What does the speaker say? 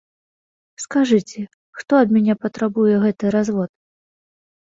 Скажыце, хто ад мяне патрабуе гэты развод?